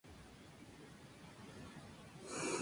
Entre los dos desarrollaron el su sistema de almacenamiento.